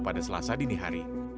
pada selasa dini hari